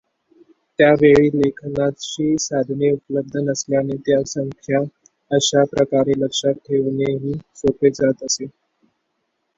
त्यावेळी लेखनाची साधने उपलब्ध नसल्याने त्या संख्या अशा प्रकारे लक्षात ठेवणेही सोपे जात असे.